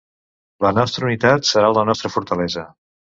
La nostra unitat serà la nostra fortalesa.